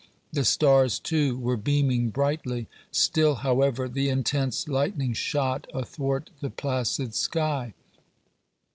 The stars, too, were beaming brightly. Still, however, the intense lightning shot athwart the placid sky.